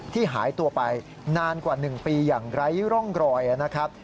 หายตัวไปนานกว่า๑ปีอย่างไร้ร่องรอยนะครับ